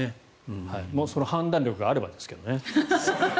その判断力があればですが。